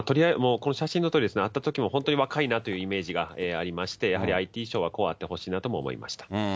この写真のとおり、会ったときも本当に若いなというイメージがありまして、やはりＩＴ相はこうあってほしいなとも思いました。